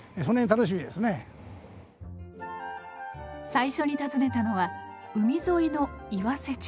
最初に訪ねたのは海沿いの岩瀬地区。